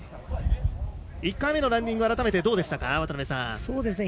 １回目のランディングは改めてどうでしたか、渡辺さん。